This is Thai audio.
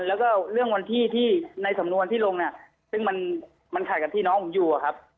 แล้วก็เรื่องวันที่ที่ในสำนวนที่ลงเนี่ยซึ่งมันขัดกับที่น้องผมอยู่อะครับ